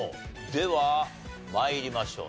では参りましょう。